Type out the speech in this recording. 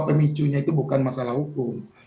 pemicunya itu bukan masalah hukum